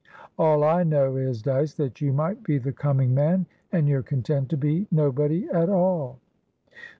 "All I know is, Dyce, that you might be the coming man, and you're content to be nobody at all."